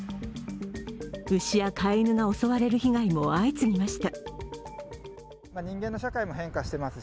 牛や飼い犬が襲われる被害も相次ぎました。